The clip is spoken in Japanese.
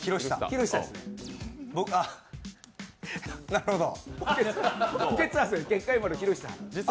なるほど。